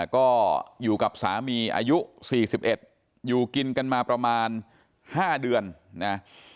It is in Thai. ก็อยู่กับสามีอายุ๔๑อยู่กินกันมาประมาณ๕เดือนนะ